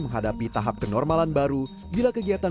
menghadapi tahap kenormalan baru bila kegiatan